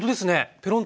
ペロンと。